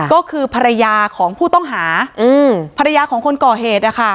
ก็คือภรรยาของผู้ต้องหาภรรยาของคนก่อเหตุ